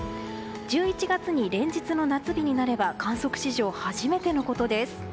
１１月に連日の夏日になれば観測史上初めてのことです。